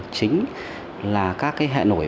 chính là các hẹ nổi